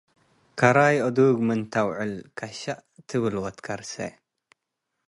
ከራይ አዱግ ምን ተአውዕል ከሸ ትብል ወትከርሴ